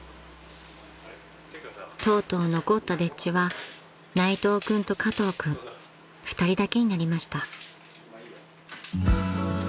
［とうとう残った丁稚は内藤君と加藤君２人だけになりました］